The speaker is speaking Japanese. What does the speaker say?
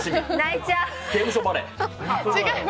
刑務所バレー。